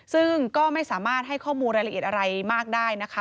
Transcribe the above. ซึ่งก็ไม่สามารถให้ข้อมูลรายละเอียดอะไรมากได้นะคะ